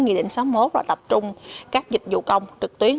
nghị định sáu mươi một là tập trung các dịch vụ công trực tuyến